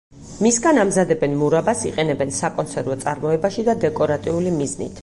მისგან ამზადებენ მურაბას, იყენებენ საკონსერვო წარმოებაში და დეკორატიული მიზნით.